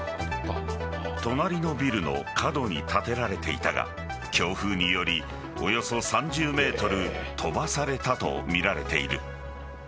隣のビルの角に建てられていたが強風により、およそ３０メートル飛ばされたと見られている。